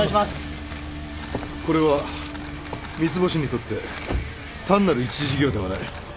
これは三ツ星にとって単なる一事業ではない。